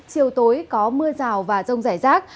chiều tối có mưa rào và rông rải rác